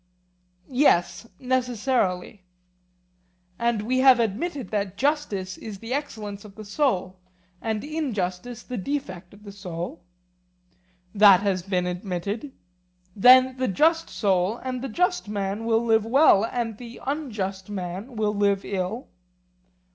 Yes, necessarily. And we have admitted that justice is the excellence of the soul, and injustice the defect of the soul? That has been admitted. Then the just soul and the just man will live well, and the unjust man will live ill?